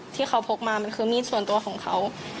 ที่เขาพกมามันคือมีดส่วนตัวของเขา